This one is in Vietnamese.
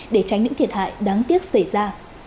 để tránh những thiệt hại đáng tiếc xảy ra